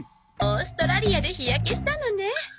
オーストラリアで日焼けしたのね。